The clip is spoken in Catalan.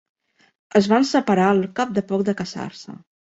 Es van separar al cap de poc de casar-se.